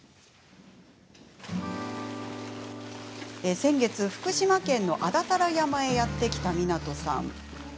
先月、福島県の安達太良山へやって来た湊さん。